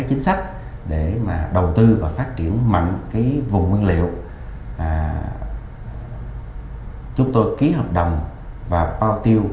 chính sách để mà đầu tư và phát triển mạnh cái vùng nguyên liệu chúng tôi ký hợp đồng và bao tiêu